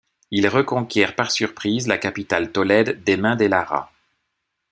Il reconquiert par surprise la capitale Tolède des mains des Lara.